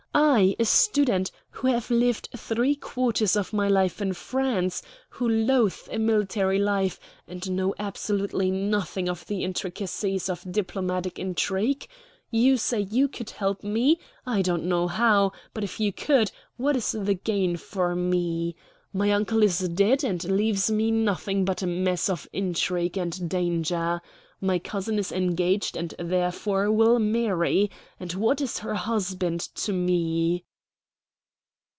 I, a student, who have lived three quarters of my life in France, who loathe a military life, and know absolutely nothing of the intricacies of diplomatic intrigue? You say you could help me? I don't know how; but if you could, what is the gain for me? My uncle is dead and leaves me nothing but a mess of intrigue and danger. My cousin is engaged and therefore will marry and what is her husband to me?"